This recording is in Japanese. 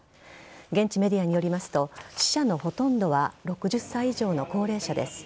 現地メディアによりますと、死者のほとんどは６０歳以上の高齢者です。